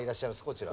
こちら。